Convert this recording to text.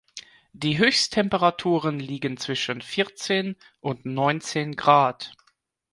Die Höchsttemperaturen liegen zwischen vierzehn und neunzehn Grad.